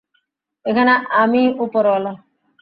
এখানে আমিই ওপরওয়ালা।